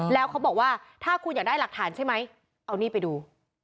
แล้วเขาบอกว่าถ้าคุณอยากได้หลักฐานใช่ไหมเอานี่ไปดู